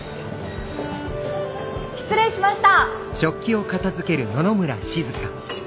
失礼しました！